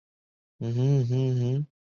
中华抱茎蓼为蓼科蓼属下的一个变种。